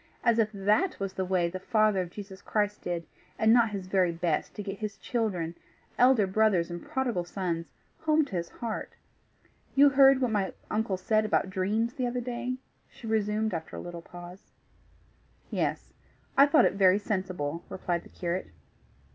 As if THAT was the way the Father of Jesus Christ did, and not his very best to get his children, elder brothers and prodigal sons, home to his heart! You heard what my uncle said about dreams the other day?" she resumed after a little pause. "Yes. I thought it very sensible," replied the curate.